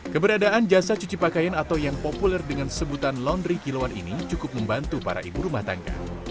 keberadaan jasa cuci pakaian atau yang populer dengan sebutan laundry kiloan ini cukup membantu para ibu rumah tangga